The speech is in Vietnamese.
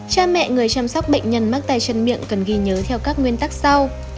cha mẹ người chăm sóc bệnh nhân mắc tay chân miệng cần ghi nhớ theo các nguyên tắc sau